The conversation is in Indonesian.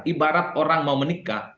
ibarat orang mau menikah